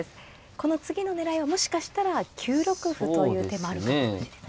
この次の狙いはもしかしたら９六歩という手もあるかもしれない。